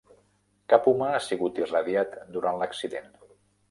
Cap humà ha sigut irradiat durant l'accident.